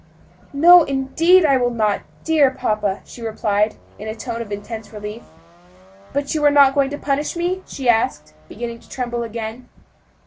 "No, indeed, I will not, dear papa," she replied in a tone of intense relief. "But you are not going to punish me?" she asked, beginning to tremble again.